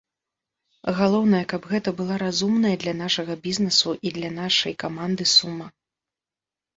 Галоўнае, каб гэта была разумная для нашага бізнесу і для нашай каманды сума.